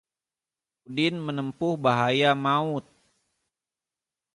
Udin menempuh bahaya maut